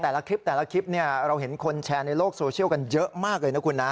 แต่ละคลิปแต่ละคลิปเราเห็นคนแชร์ในโลกโซเชียลกันเยอะมากเลยนะคุณนะ